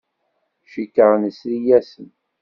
Cikkeɣ nesri-asen.